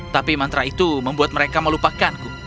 tapi mantra itu membuat mereka melupakanku